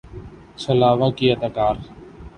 چھلاوہ کی اداکار